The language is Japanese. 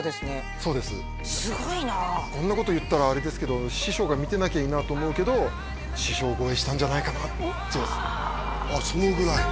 そうですすごいなあこんなこと言ったらあれですけど師匠が見てなきゃいいなと思うけど師匠超えしたんじゃないかなってああそのぐらい？